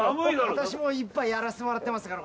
私もう１杯やらせてもらってますから。